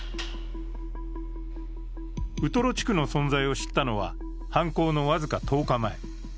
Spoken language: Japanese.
ウトロ地区の存在を知ったのは、犯行の僅か１０日前。